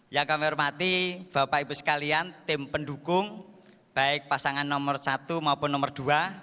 yang kami hormati bapak ibu sekalian tim pendukung baik pasangan nomor satu maupun nomor dua